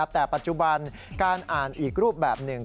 แต่ปัจจุบันการอ่านอีกรูปแบบหนึ่ง